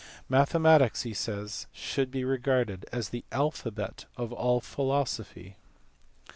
Mathematics, he says, should be regarded as the alphabet of all philosophy.